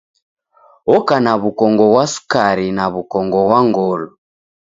Oka na w'ukongo ghwa sukari na w'ukongo ghwa ngolo.